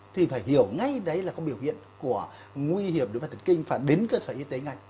thì phải hiểu ngay đấy là có biểu hiện của nguy hiểm đối với thần kinh phải đến cơ sở y tế ngay